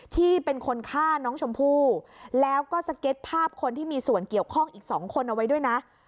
ที่เป็นคนฆ่าน้องชมพู่แล้วก็สเก็ตภาพคนที่มีส่วนเกี่ยวข้องอีก๒คนเอาไว้ด้วยนะ